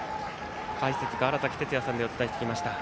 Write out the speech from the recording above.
解説、川原崎哲也さんでお伝えしてきました。